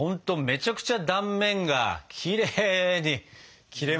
めちゃくちゃ断面がきれいに切れましたね。